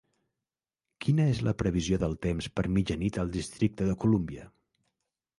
Quina és la previsió del temps per mitjanit al districte de Columbia?